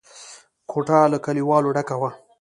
کوټه له کليوالو ډکه وه.